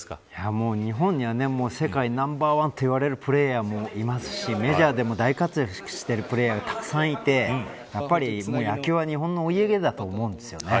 日本には世界ナンバーワンといわれるプレーヤーもいますしメジャーでも大活躍しているプレーヤーがたくさんいてやっぱり野球は日本のお家芸だと思うんですよね。